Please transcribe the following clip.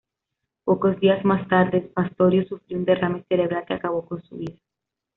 Pocos días más tarde, Pastorius sufrió un derrame cerebral que acabó con su vida.